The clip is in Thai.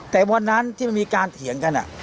แต่วันนั้นที่มันมีการเถียงกัน